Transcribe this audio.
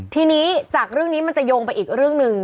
ทีนี้จากเรื่องนี้มันจะโยงไปอีกเรื่องหนึ่ง